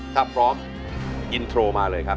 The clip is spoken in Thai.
ถ้าพร้อมอินโทรมาเลยครับ